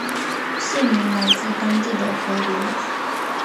县名来自当地的河狸。